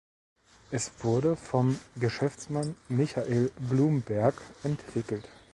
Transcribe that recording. Es wurde vom Geschäftsmann Michael Bloomberg entwickelt.